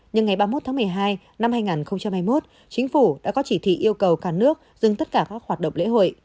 nhưng ngày ba mươi một tháng một mươi hai năm hai nghìn hai mươi một chính phủ đã có chỉ thị yêu cầu cả nước dừng tất cả các hoạt động lễ hội